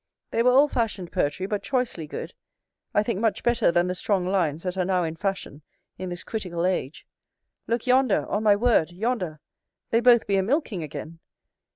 They were old fashioned poetry, but choicely good; I think much better than the strong lines that are now in fashion in this critical age. Look yonder! on my word, yonder, they both be a milking again.